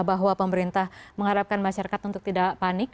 bahwa pemerintah mengharapkan masyarakat untuk tidak panik